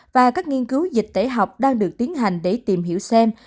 và các nghiên cứu dịch tễ học đang được tiến hành để tìm hiểu xem